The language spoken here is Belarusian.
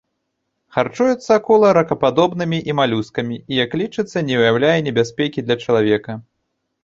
Харчуецца акула ракападобнымі і малюскамі і як лічыцца не ўяўляе небяспекі для чалавека.